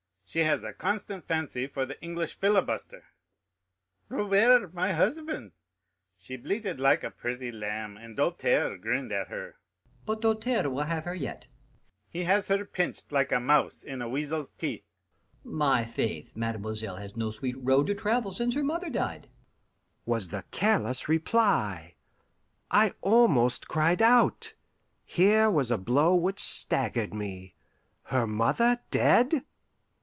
She has a constant fancy for the English filibuster. 'Robert! my husband!' she bleated like a pretty lamb, and Doltaire grinned at her." "But Doltaire will have her yet." "He has her pinched like a mouse in a weasel's teeth." "My faith, mademoiselle has no sweet road to travel since her mother died," was the careless reply. I almost cried out. Here was a blow which staggered me. Her mother dead!